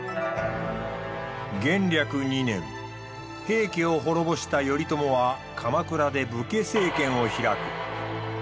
平家を滅ぼした頼朝は鎌倉で武家政権を開く。